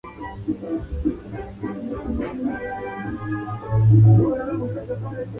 El galardón es obra del escultor Pepe Gámez.